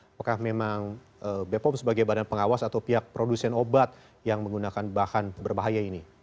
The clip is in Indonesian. apakah memang bepom sebagai badan pengawas atau pihak produsen obat yang menggunakan bahan berbahaya ini